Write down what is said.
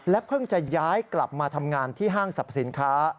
เพิ่งจะย้ายกลับมาทำงานที่ห้างสรรพสินค้า